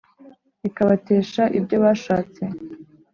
Bikabatesha ibyo bashatse?